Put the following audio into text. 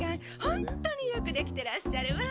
本当によくできてらっしゃるわ。